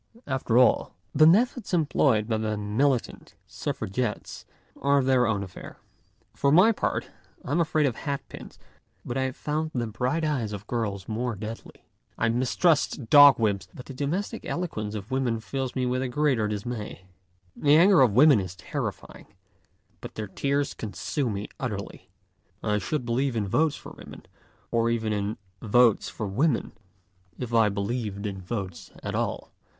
After all, the methods employed by the mili tant Suffragettes are their own affair. For my part, I am afraid of hat pins, but I have found the bright eyes of girls more deadly ; 124 WHY WOMEN FAIL IN ART 125 I mistrust dog whips, but the domestic elo quence of women fills me with a greater dismay ; the anger of women is terrifying, but their tears consume me utterly. I should believe in votes for women, or even in Votes for Women, if I believed in votes at all.